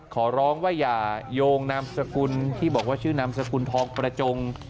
ขอร้องว่าอย่าโยงนามสกุลที่บอกว่าชื่อนามสกุลทองประจง